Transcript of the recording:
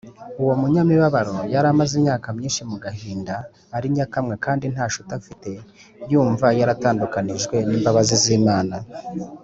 . Uwo munyamubabaro yari amaze imyaka myinshi mu gahinda ari nyakamwe kandi nta nshuti afite, yumva yaratandukanijwe n’imbabazi z’Imana